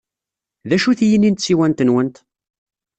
D acu-t yini n tsiwant-nwent?